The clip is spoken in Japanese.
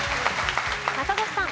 中越さん。